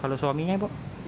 kalau suaminya ibu